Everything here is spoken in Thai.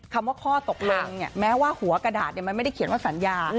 คำว่าข้อตกลงแม้ว่าหัวกระดาษมันไม่ได้เขียนว่าสัญญา